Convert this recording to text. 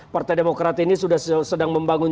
partai demokrat ini sudah sedang membangun